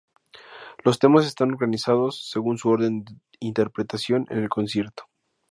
Los temas están organizados según su orden de interpretación en el concierto.